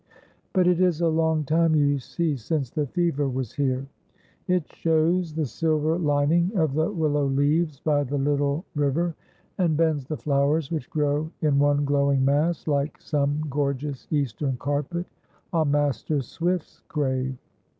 (But it is a long time, you see, since the fever was here.) It shows the silver lining of the willow leaves by the little river, and bends the flowers which grow in one glowing mass—like some gorgeous Eastern carpet—on Master Swift's grave.